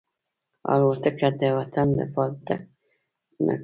الوتکه د وطن دفاع ته کارېږي.